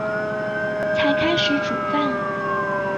才开始煮饭